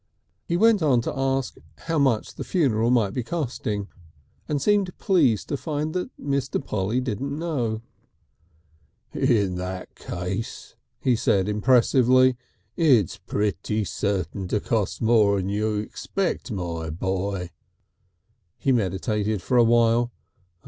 He went on to ask how much the funeral might be costing, and seemed pleased to find Mr. Polly didn't know. "In that case," he said impressively, "it's pretty certain to cost more'n you expect, my boy." He meditated for a time.